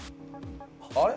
あれ？